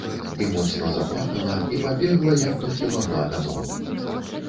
І моцна заплакала і пабегла як толькі магла дамоў.